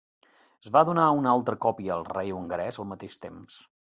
Es va donar una altra còpia al rei hongarès al mateix temps.